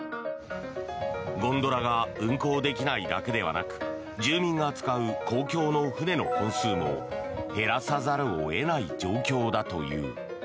ゴンドラが運航できないだけではなく住民が使う公共の船の本数も減らさざるを得ない状況だという。